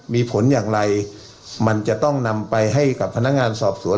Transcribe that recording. มีผลอย่างไรมันจะต้องนำไปให้กับพนักงานสอบสวน